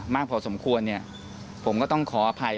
มากพอสมควรเนี่ยผมก็ต้องขออภัย